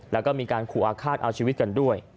แล้วก็มีการขู่อาฆาตเอาชีวิตกันด้วย